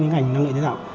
cái ngành năng lượng tái tạo